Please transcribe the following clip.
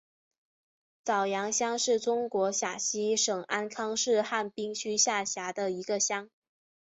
早阳乡是中国陕西省安康市汉滨区下辖的一个乡。